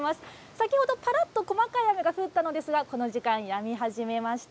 先ほどぱらっと細かい雨が降ったのですが、この時間やみ始めました。